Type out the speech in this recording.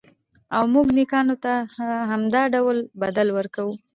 او موږ نېکانو ته همدا ډول بدل ورکوو.